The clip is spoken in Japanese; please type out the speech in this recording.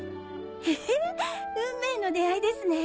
へぇ運命の出会いですね！